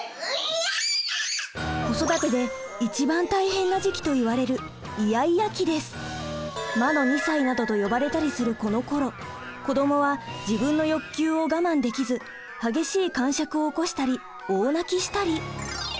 子育てで一番大変な時期といわれる「魔の２歳」などと呼ばれたりするこのころ子どもは自分の欲求を我慢できず激しいかんしゃくを起こしたり大泣きしたり。